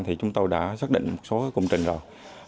thì chúng tôi đã xác định một số công trình rồi